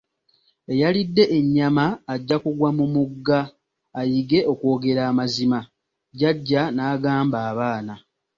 Eyalidde ennyama agyakugwa mu mugga, ayige okwogera amazima, jjaja n'agamba abaana.